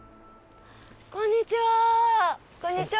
こんにちは。